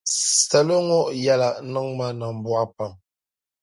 Salo ŋɔ yɛla niŋ ma nambɔɣu pam.